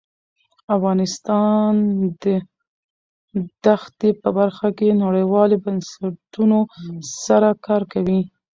افغانستان د ښتې په برخه کې نړیوالو بنسټونو سره کار کوي.